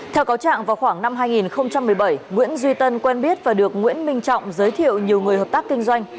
theo cáo trạng vào khoảng năm hai nghìn một mươi bảy nguyễn duy tân quen biết và được nguyễn minh trọng giới thiệu nhiều người hợp tác kinh doanh